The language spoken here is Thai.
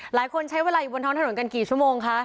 ใช้เวลาอยู่บนท้องถนนกันกี่ชั่วโมงคะ